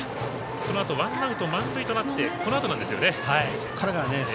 そのあと、ワンアウト満塁となってそのあとですね。